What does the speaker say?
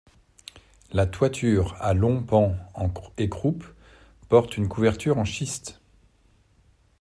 La toiture à longs pans et croupes porte une couverture en schiste.